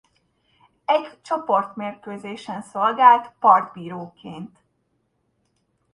Egy csoportmérkőzésen szolgált partbíróként.